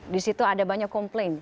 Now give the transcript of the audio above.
di situ ada banyak komplain